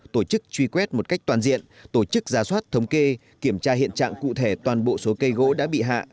tổ chức truy quét một cách toàn diện tổ chức giá soát thống kê kiểm tra hiện trạng cụ thể toàn bộ số cây gỗ đã bị hạ